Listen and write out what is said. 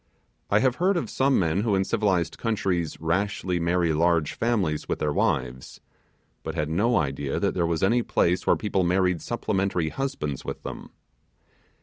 I have heard of some men who in civilized countries rashly marry large families with their wives, but had no idea that there was any place where people married supplementary husbands with them.